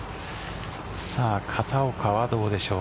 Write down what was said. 片岡はどうでしょう。